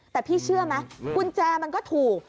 แต่พี่เชื่อไหมกุญแจมันก็ถูก